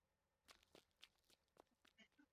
父亲马荣。